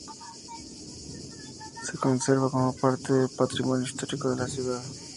Se conserva como parte del patrimonio histórico de la Ciudad.